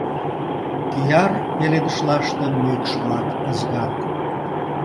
Кияр пеледышлаште мӱкш-влак ызгат.